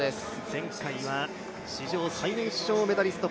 前回は史上最年少メダリスト